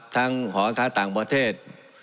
ทั้งหอการค้าต่างประเทศ